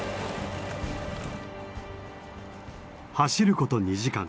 走ること２時間。